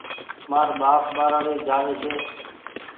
مآر ٻآپ ٻآرآڙي جآوي ڇي